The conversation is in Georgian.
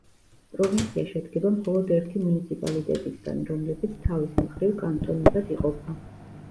პროვინცია შედგება მხოლოდ ერთი მუნიციპალიტეტისაგან, რომლებიც თავის მხრივ კანტონებად იყოფა.